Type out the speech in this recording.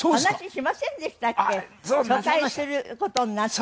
疎開する事になって。